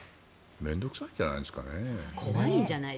面倒臭いんじゃないですかね。